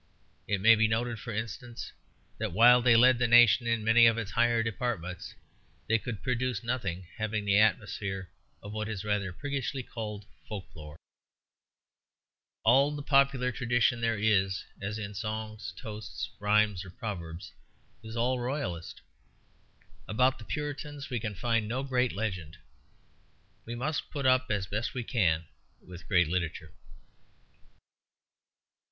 It may be noted, for instance, that, while they led the nation in many of its higher departments, they could produce nothing having the atmosphere of what is rather priggishly called folklore. All the popular tradition there is, as in songs, toasts, rhymes, or proverbs, is all Royalist. About the Puritans we can find no great legend. We must put up as best we can with great literature.